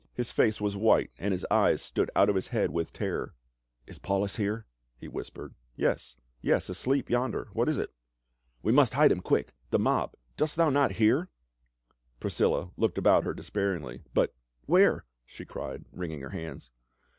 His face was white and his eyes stood out of his head with terror. " Is Paulus here?" he whispered. " Yes — yes, asleep yonder, what is it ?"" We must hide him quick ! The mob— dost thou not hear?" Priscilla looked about her despairingly. " But — where?" she cried, wringing her hands.